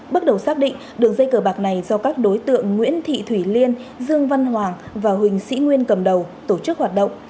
bước đầu xác định đường dây cờ bạc này do các đối tượng nguyễn thị thủy liên dương văn hoàng và huỳnh sĩ nguyên cầm đầu tổ chức hoạt động